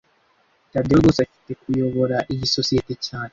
Tadeyo rwose afite kuyobora iyi sosiyete cyane